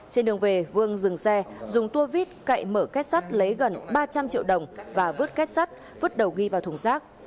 trên đường về vương dừng xe dùng tua vít cậy mở kết sắt lấy gần ba trăm linh triệu đồng và vứt kết sắt vứt đầu ghi vào thùng rác